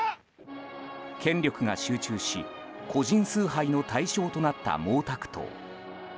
権力が集中し、個人崇拝の対象となった毛沢東。